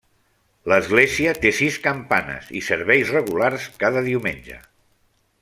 L'església té sis campanes i serveis regulars cada diumenge.